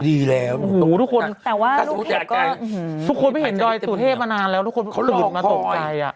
หู้วทุกคนไม่เห็นดรอยสุเทพมานานแล้วทุกคนตื่นมาตกใจ